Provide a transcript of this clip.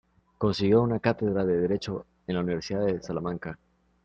Consiguió una cátedra de Derecho en la Universidad de Salamanca.